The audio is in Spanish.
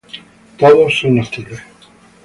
Todos son hostiles.